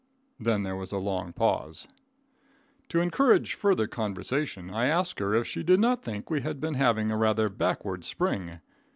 Then there was a long pause. To encourage further conversation I asked her if she did not think we had been having a rather backward spring.